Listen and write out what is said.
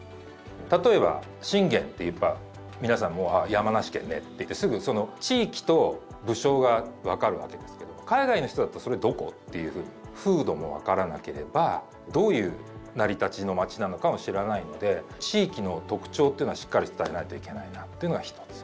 例えば信玄っていえば皆さんもうあ山梨県ねって言ってすぐその地域と武将が分かるわけですけれども海外の人だったら「それどこ？」っていうふうに風土も分からなければどういう成り立ちの町なのかも知らないので地域の特徴というのはしっかり伝えないといけないなというのが一つ。